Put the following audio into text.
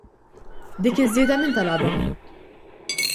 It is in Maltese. Dik iż-żieda min talabha?